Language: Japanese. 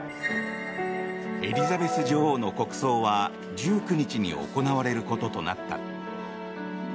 エリザベス女王の国葬は１９日に行われることとなった。